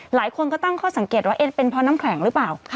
หลายคนก็ตั้งข้อสังเกตว่าเป็นเพราะน้ำแข็งหรือเปล่า